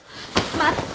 待って！